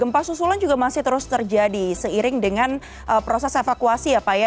gempa susulan juga masih terus terjadi seiring dengan proses evakuasi ya pak ya